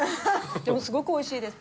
でもすごく美味しいです。